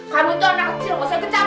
kamu itu anak kecil